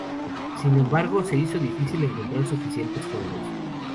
Sin embargo, se hizo difícil encontrar suficientes fondos.